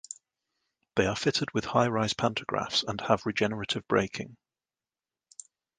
They are fitted with high rise pantographs and have regenerative braking.